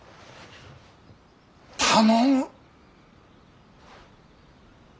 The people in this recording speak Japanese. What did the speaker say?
頼む。